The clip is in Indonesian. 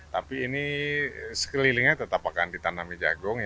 tapi ini sekelilingnya tetap akan ditanami jagung